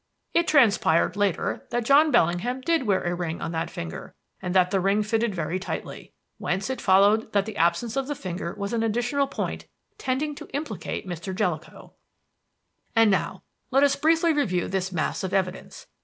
"It transpired later that John Bellingham did wear a ring on that finger and that the ring fitted very tightly. Whence it followed that the absence of the finger was an additional point tending to implicate Mr. Jellicoe. "And now let us briefly review this mass of evidence.